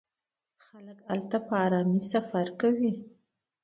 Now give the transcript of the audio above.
خلک هلته په ارامۍ سفر کوي.